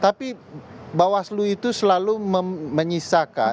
tapi bawaslu itu selalu menyisakan